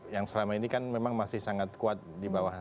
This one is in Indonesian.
yang selama ini kan memang masih sangat kuat di bawah